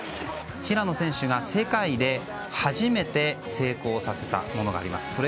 平野選手が世界で初めて成功させたものがあります。